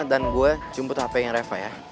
dan gue jemput hpnya reva ya